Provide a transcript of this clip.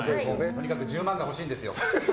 とにかく１０万円が欲しいんですよ。